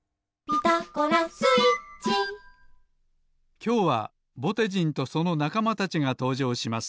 きょうはぼてじんとそのなかまたちがとうじょうします。